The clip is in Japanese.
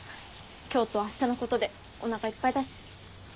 今日とあしたのことでおなかいっぱいだし。